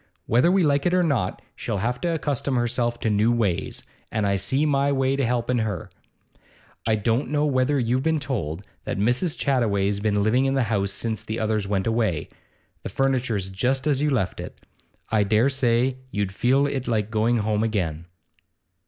Whether we like it or not, she'll have to accustom herself to new ways, and I see my way to helping her. I don't know whether you've been told that Mrs. Chattaway's been living in the house since the others went away. The furniture's just as you left it; I dare say you'd feel it like going home again.